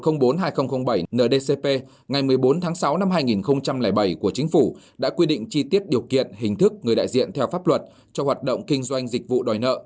nghị định một trăm linh bảy ndcp ngày một mươi bốn tháng sáu năm hai nghìn bảy của chính phủ đã quy định chi tiết điều kiện hình thức người đại diện theo pháp luật cho hoạt động kinh doanh dịch vụ đòi nợ